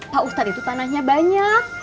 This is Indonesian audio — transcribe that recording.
pak ustadz itu tanahnya banyak